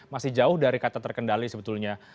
masih jauh dari kata terkendali sebetulnya